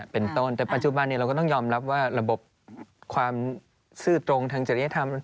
เป็นต้นแต่ปัจจุบันเราก็ต้องยอมรับว่าระบบความซื่อตรงทางจริยธรรม